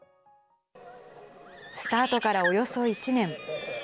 スタートからおよそ１年。